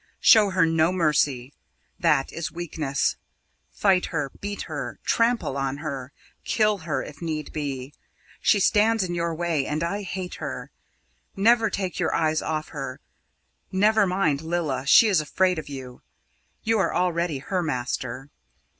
Show her no mercy. That is weakness. Fight her, beat her, trample on her kill her if need be. She stands in your way, and I hate her. Never take your eyes off her. Never mind Lilla she is afraid of you. You are already her master.